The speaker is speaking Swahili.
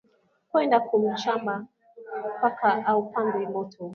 Kwenda ku mashamba paka u pande moto